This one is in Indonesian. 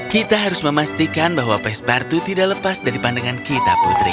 kita harus memastikan bahwa pespartu tidak lepas dari pandangan kita putri